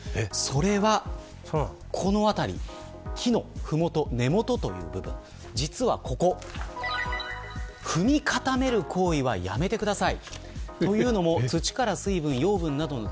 それは、この辺り木のふもと、根本という部分実は、ここ踏み固める行為はやめてください。